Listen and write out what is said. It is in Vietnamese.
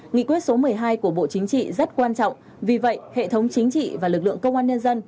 nghị quyết số một mươi hai của bộ chính trị rất quan trọng vì vậy hệ thống chính trị và lực lượng công an nhân dân